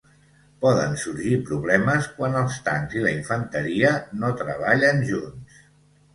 Poden sorgir problemes quan els tancs i la infanteria no treballen junts.